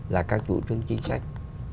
là các chủ trương chính sách